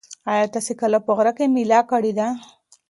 ایا تاسي کله په غره کې مېله کړې ده؟